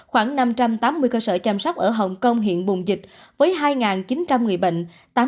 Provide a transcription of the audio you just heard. khoảng năm trăm tám mươi cơ sở chăm sóc ở hồng kông hiện bùng dịch với hai chín trăm linh người bệnh